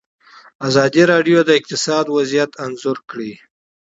ازادي راډیو د اقتصاد وضعیت انځور کړی.